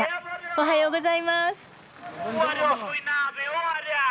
おはようございます。